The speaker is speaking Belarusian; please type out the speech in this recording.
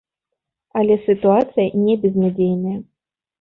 Але сітуацыя не безнадзейная.